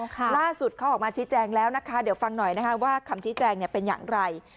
ล่าสุดเขาออกมาชี้แจงแล้วนะคะเดี๋ยวฟังหน่อยนะคะว่าคำชี้แจงเป็นอย่างไร